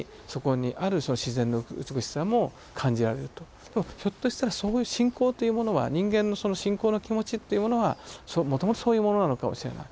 でもひょっとしたらそういう信仰というものは人間のその信仰の気持ちというものはもともとそういうものなのかもしれない。